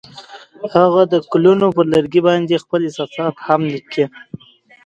هغوی د ګلونه پر لرګي باندې خپل احساسات هم لیکل.